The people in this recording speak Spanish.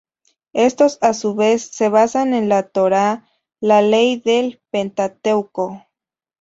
Estos a su vez se basan en la Torá, la ley del Pentateuco.